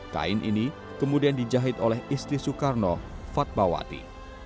kain ini kemudian dijahit oleh istri soekarno fatbawati